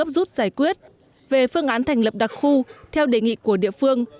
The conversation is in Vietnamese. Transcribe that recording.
ấp rút giải quyết về phương án thành lập đặc khu theo đề nghị của địa phương